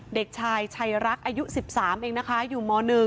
เด็กชายชัยรักอายุ๑๓เองนะคะอยู่ม๑